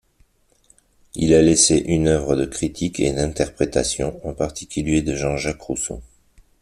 Il a laissé une œuvre de critique et d'interprétation, en particulier de Jean-Jacques Rousseau.